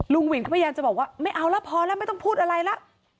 ลุงวินทร์เข้าไปยานจะบอกว่าไม่เอาละพอแล้วไม่ต้องพูดอะไรละ